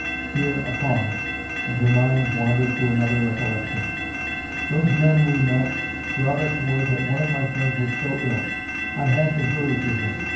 Here a pause, and her mind wandered to another recollection. "Those men we met brought us word that one of my friends was so ill; I had to hurry to him.